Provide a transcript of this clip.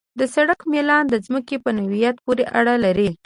د سړک میلان د ځمکې په نوعیت پورې اړه لري